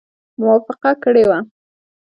موافقه کړې وه.